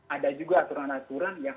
ada juga aturan aturan yang